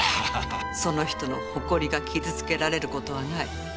その人の誇りが傷つけられることはない。